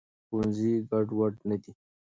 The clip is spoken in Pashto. ښوونځي ګډوډ نه دی.